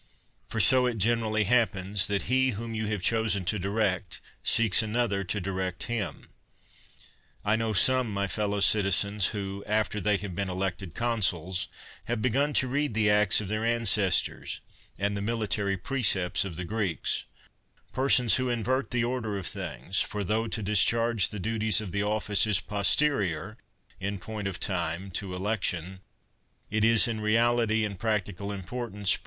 For so it generally happens, that he whom you have chosen to direct, seeks another to direct him. I know some, my fellow citizens, who, after they have been elected con suls, have begun to read the acts of their ances tors, and the military precepts of the Greeks — persons who invert the order of things; for tho to discharge the duties of the office is posterior, in point of time, to election, it is, in reality and practical importance, prior to it.